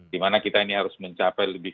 dimana kita ini harus mencapai lebih